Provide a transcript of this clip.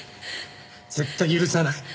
絶対許さない。